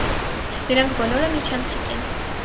Նրանք բոլորը միջանցիկ են։